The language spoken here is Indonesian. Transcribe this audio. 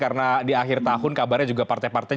karena di akhir tahun kabarnya juga partai partai